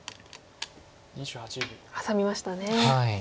ハサみましたね。